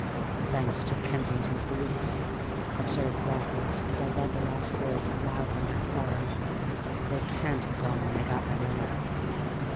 "Thanks to the Kensington police," observed Raffles, as I read the last words aloud in my horror. "They can't have gone when they got my letter."